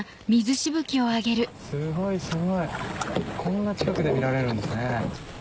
すごいすごいこんな近くで見られるんですね。